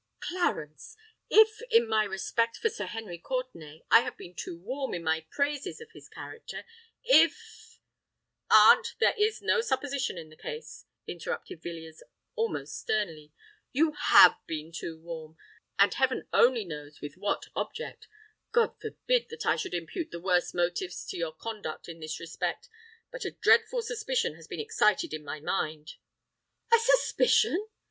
"Clarence—if, in my respect for Sir Henry Courtenay—I have been too warm in my praises of his character,—if——" "Aunt, there is no supposition in the case," interrupted Villiers, almost sternly. "You have been too warm—and heaven only knows with what object! God forbid that I should impute the worst motives to your conduct in this respect: but a dreadful suspicion has been excited in my mind——" "A suspicion!"